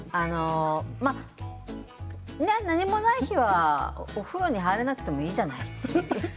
何もない日はお風呂に入らなくてもいいじゃない？っていう。